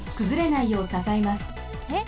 えっ？